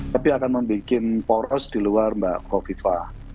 tapi akan membuat poros di luar mbak kofifa